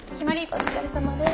お疲れさまです。